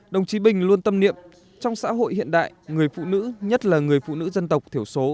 đồng chí bình luôn tâm niệm trong xã hội hiện đại người phụ nữ nhất là người phụ nữ dân tộc thiểu số